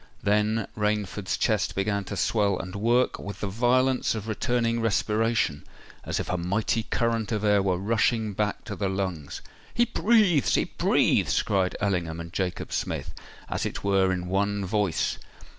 Then Rainford's chest began to swell and work with the violence of returning respiration—as if a mighty current of air were rushing back to the lungs. "He breathes! he breathes!" cried Ellingham and Jacob Smith, as it were in one voice.